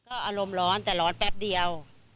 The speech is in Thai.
อารมณ์ร้อนแต่ร้อนแป๊บเดียว